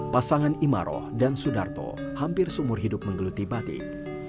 pasangan imaroh dan sudarto hampir seumur hidup menggeluti batik